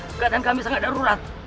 begatan kami sangat darurat